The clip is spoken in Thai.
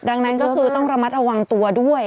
ดังนั้นก็คือต้องระมัดระวังตัวด้วย